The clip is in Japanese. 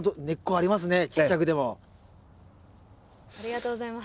ありがとうございます。